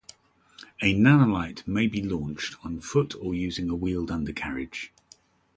A Nanolight may be launched on foot or using a wheeled undercarriage.